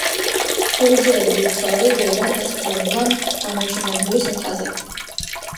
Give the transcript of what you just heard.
ქორიძეები უხსოვარი დროიდან დასახლებულან გამოჩინებულის მთაზე.